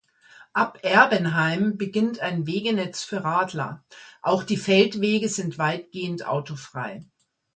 Ab Erbenheim beginnt ein Wegenetz für Radler; auch die Feldwege sind weitgehend autofrei.